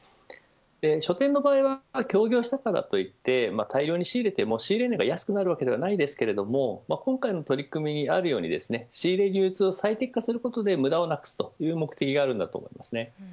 書店の場合は協業したからといって大量に仕入れても仕入れ値が安くなるわけではないですが今回の取り組みがあるように仕入れ、流通を最適化することで無駄をなくすという目的があるんだと思います。